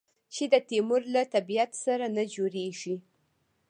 چې د تیمور له طبیعت سره نه جوړېږي.